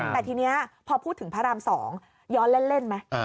แต่ทีนี้พอพูดถึงพระราม๒ย้อนเล่นไหม